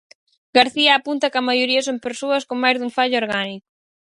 García apunta que a maioría son persoas "con máis dun fallo orgánico".